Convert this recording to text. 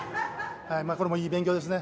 これもいい勉強ですね。